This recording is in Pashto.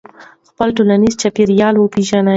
خپل ټولنیز چاپېریال وپېژنئ.